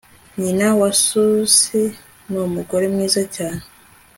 Nyina wa Susie numugore mwiza cyane